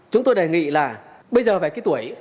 chúng tôi đề nghị là bây giờ về cái tuổi